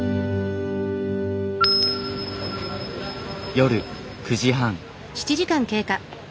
夜９時半。